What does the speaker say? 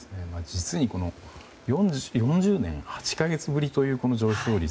実に４０年８か月ぶりという、この上昇率。